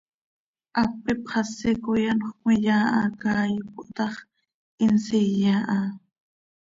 Hap ipxasi coi anxö cömiyaa hac aa ipooh ta x, hin nsiye aha.